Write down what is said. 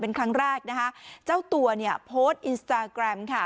เป็นครั้งแรกนะคะเจ้าตัวเนี่ยโพสต์อินสตาแกรมค่ะ